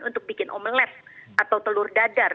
untuk bikin omelet atau telur dadar